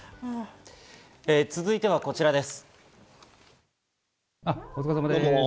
続いてはこちらです。